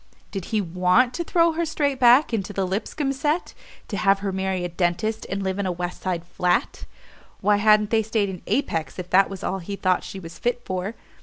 Did he want to throw her straight back into the Lipscomb set, to have her marry a dentist and live in a West Side flat? Why hadn't they stayed in Apex, if that was all he thought she was fit for?